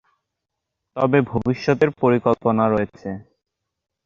তবে ভবিষ্যতের পরিকল্পনা রয়েছে।